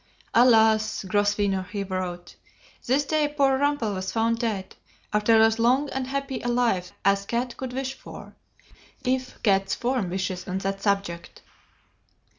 "Alas, Grosvenor," he wrote, "this day poor Rumpel was found dead, after as long and happy a life as cat could wish for, if cats form wishes on that subject.